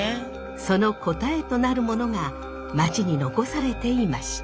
その答えとなるものが町に残されていました。